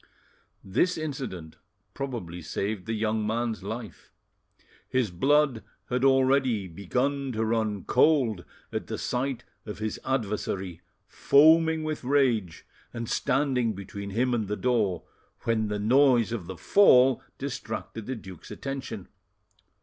This incident probably saved the young man's life; his blood had already begun to run cold at the sight of his adversary foaming with rage and standing between him and the door, when the noise of the fall distracted the duke's attention.